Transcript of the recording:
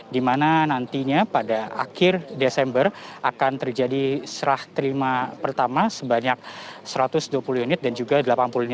di mana nantinya pada akhir desember akan terjadi serah terima pertama sebanyak satu ratus dua puluh unit dan juga delapan puluh unit